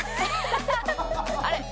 「あれ？